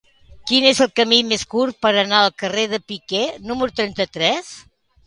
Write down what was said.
Quin és el camí més curt per anar al carrer de Piquer número trenta-tres?